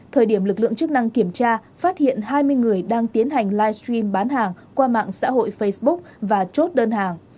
có những người đang kiểm tra phát hiện hai mươi người đang tiến hành livestream bán hàng qua mạng xã hội facebook và chốt đơn hàng